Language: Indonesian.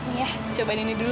ini ya cobain ini dulu